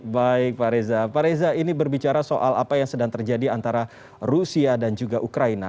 baik pak reza pak reza ini berbicara soal apa yang sedang terjadi antara rusia dan juga ukraina